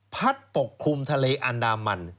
ปกคลุมทะเลอันดามัน